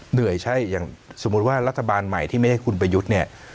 เหนื่อยใช่อย่างสมมุติว่ารัฐบาลใหม่ที่ไม่ใช่คุณประยุทธ์เนี่ย